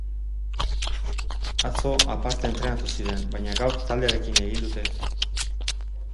Atzo aparte entrenatu ziren, baina gaur taldearekin egin dute.